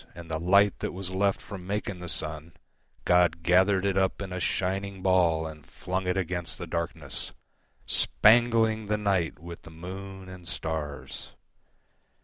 And the light that was left from making the sunGod gathered it up in a shining ballAnd flung it against the darkness, Spangling the night with the moon and stars.